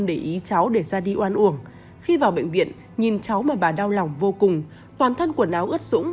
để ý cháu để ra đi oan uổng khi vào bệnh viện nhìn cháu mà bà đau lòng vô cùng toàn thân quần áo ướt dũng